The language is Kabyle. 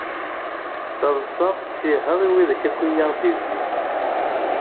D taḍsa, d ttiha i wid akk i aɣ-d-izzin.